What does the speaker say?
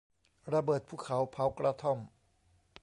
ระเบิดภูเขาเผากระท่อม